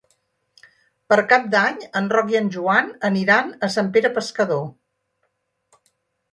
Per Cap d'Any en Roc i en Joan aniran a Sant Pere Pescador.